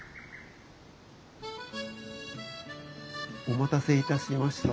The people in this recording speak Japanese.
お待たせいたしました。